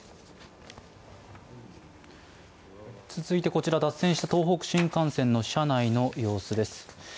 続いてこちら脱線した東北新幹線の車内の様子です。